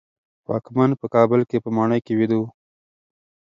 واکمن په کابل کې په ماڼۍ کې ویده و.